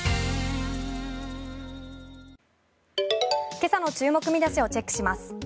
今朝の注目見出しをチェックします。